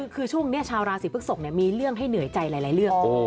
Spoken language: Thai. คือช่วงนี้ชาวราศีพฤกษกมีเรื่องให้เหนื่อยใจหลายเรื่อง